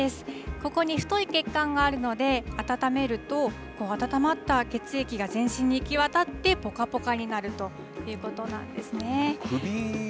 ここに太い血管があるので、温めると、温まった血液が全身に行き渡って、ぽかぽかになるというこ首ですか。